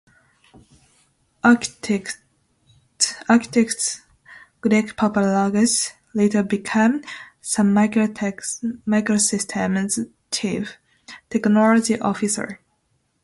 Architect Greg Papadopoulos later became Sun Microsystems's chief technology officer.